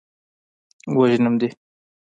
وژنم دې.